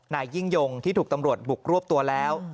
นายยิ่งยงที่ถูกตำรวจบุกรวบตัวแล้ว